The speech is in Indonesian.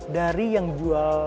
dari yang jual